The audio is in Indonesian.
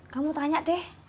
kamu tanya deh